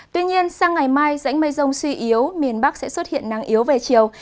tuy nhiên sang ngày mai rãnh mây rông suy yếu miền bắc sẽ xuất hiện nắng yếu về chiều